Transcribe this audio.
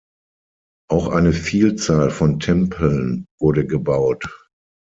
Auch eine Vielzahl von Tempeln wurde gebaut.